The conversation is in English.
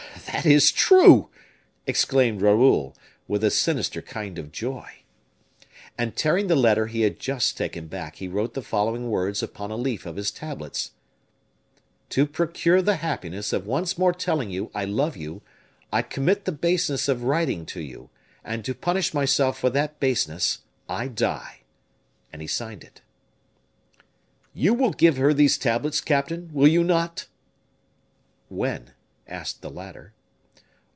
'" "That is true," exclaimed Raoul, with a sinister kind of joy. And tearing the letter he had just taken back, he wrote the following words upon a leaf of his tablets: "To procure the happiness of once more telling you I love you, I commit the baseness of writing to you; and to punish myself for that baseness, I die." And he signed it. "You will give her these tablets, captain, will you not?" "When?" asked the latter.